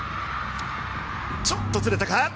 ちょっとずれたか。